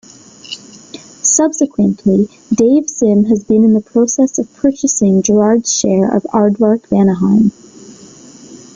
Subsequently, Dave Sim has been in the process of purchasing Gerhard's share of Aardvark-Vanaheim.